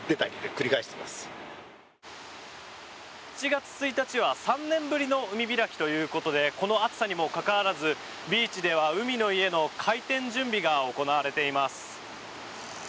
７月１日は３年ぶりの海開きということでこの暑さにもかかわらずビーチでは海の家の開店準備が行われています。